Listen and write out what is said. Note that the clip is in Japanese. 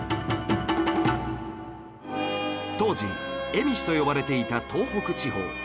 当時蝦夷と呼ばれていた東北地方